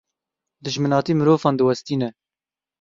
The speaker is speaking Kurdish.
Dijminatî mirovan diwestîne.